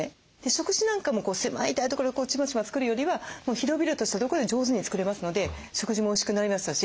食事なんかも狭い台所でチマチマ作るよりはもう広々としたとこで上手に作れますので食事もおいしくなりましたし